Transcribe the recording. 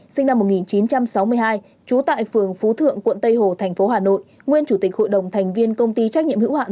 sinh năm một nghìn chín trăm sáu mươi hai trú tại phường phú thượng quận tây hồ thành phố hà nội nguyên chủ tịch hội đồng thành viên công ty trách nhiệm hữu hạn